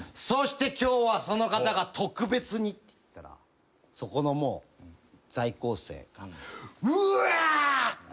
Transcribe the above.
「そして今日はその方が特別に」って言ったらそこのもう在校生が「うわっ！」